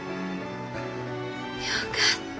よかった。